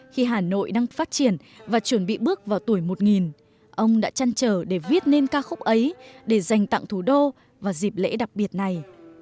khi hà nội đang phát triển và chuẩn bị bước vào tuổi một ông đã chăn trở để viết nên ca khúc ấy để dành tặng thủ đô vào dịp lễ đặc biệt này